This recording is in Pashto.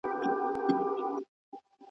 کمپيوټر روغتيا ښه کوي.